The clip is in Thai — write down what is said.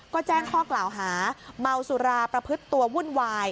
ก็แจ้งข้อกล่าวหาเมาสุราประพฤติตัววุ่นวาย